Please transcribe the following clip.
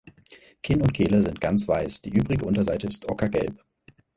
Kinn und Kehle sind ganz weiß, die übrige Unterseite ist ockergelb.